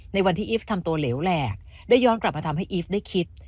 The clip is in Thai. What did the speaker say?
ในวันที่อีฟทำตัวเหลวแหลกได้ย้อนกลับมาทำให้อีฟได้คิด